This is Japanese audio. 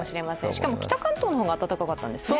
しかも北関東の方が暖かかったんですね。